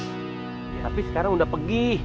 tapi sekarang udah pergi